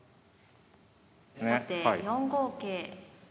後手４五桂。